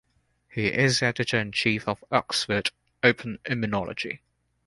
He is Editor in Chief of Oxford Open Immunology.